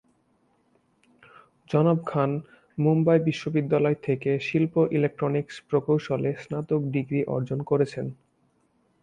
জনাব খান মুম্বাই বিশ্ববিদ্যালয় থেকে শিল্প ইলেকট্রনিক্স প্রকৌশলে স্নাতক ডিগ্রি অর্জন করেছেন।